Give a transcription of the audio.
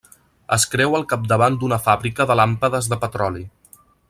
Es creu al capdavant d'una fàbrica de làmpades de petroli.